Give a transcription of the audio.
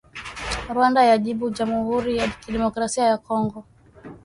Rwanda yajibu Jamuhuri ya Kidemokrasia ya Kongo